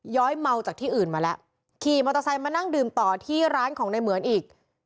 ้อยเมาจากที่อื่นมาแล้วขี่มอเตอร์ไซค์มานั่งดื่มต่อที่ร้านของในเหมือนอีก